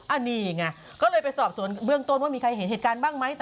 อันนี้ไงก็เลยไปสอบสวนเบื้องต้นว่ามีใครเห็นเหตุการณ์บ้างไหม